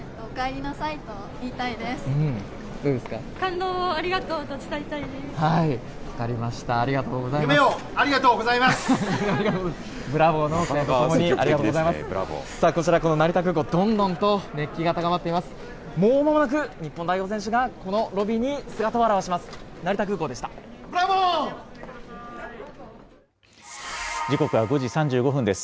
おかえりなさいと言いたいです。